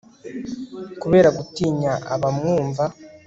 kubera gutinya abamwumva